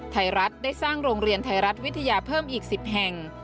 ไทยรัฐได้สร้างโรงเรียนไทยรัฐวิทยาเพิ่มอีก๑๐แห่ง